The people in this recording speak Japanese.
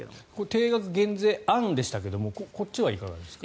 定額減税案でしたがこっちはいかがですか。